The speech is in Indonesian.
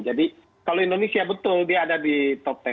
jadi kalau indonesia betul dia ada di top ten